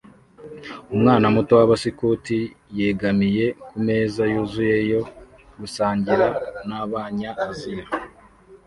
Umwana muto wabaskuti yegamiye kumeza yuzuye yo gusangira nabanya Aziya